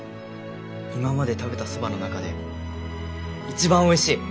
今まで食べたそばの中で一番おいしい！